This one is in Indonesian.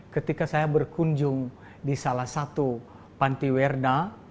ketika saya berkunjung di salah satu pantiwerda